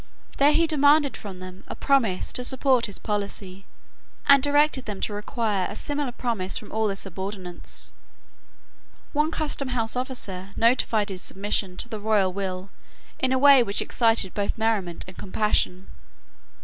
There he demanded from them a promise to support his policy, and directed them to require a similar promise from all their subordinates. One Customhouse officer notified his submission to the royal will in a way which excited both merriment and compassion.